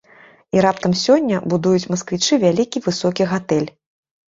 І раптам, сёння, будуюць масквічы вялікі высокі гатэль.